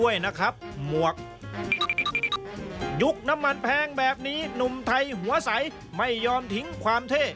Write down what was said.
ยุคน้ำมันแพงแบบนี้หนุ่มไทยหัวใสไม่ยอมทิ้งความเท่